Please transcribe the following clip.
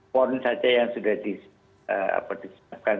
pon saja yang sudah disiapkan